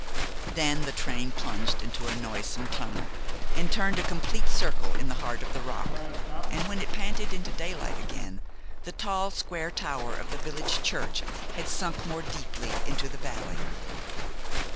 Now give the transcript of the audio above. Then the train plunged into a noisome tunnel, and turned a complete circle in the heart of the rock, and when it panted into daylight again the tall square tower of the village church had sunk more deeply into the valley.